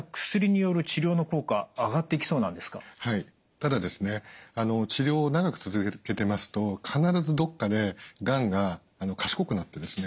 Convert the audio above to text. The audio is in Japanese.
ただ治療を長く続けてますと必ずどっかでがんが賢くなってですね